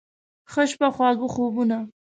ښه شپه، خواږه خوبونه